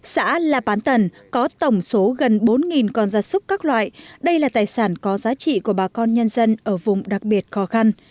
xã la bán tần có tổng số gần bốn con gia súc các loại đây là tài sản có giá trị của bà con nhân dân ở vùng đặc biệt khó khăn